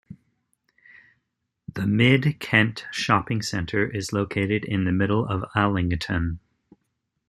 The Mid Kent Shopping Centre is located in the middle of Allington.